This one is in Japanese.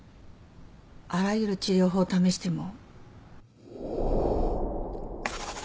あらゆる治療法を試しても。